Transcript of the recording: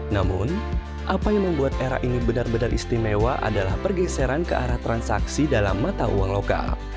namun apa yang membuat era ini benar benar istimewa adalah pergeseran ke arah transaksi dalam mata uang lokal